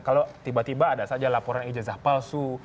kalau tiba tiba ada saja laporan ijazah palsu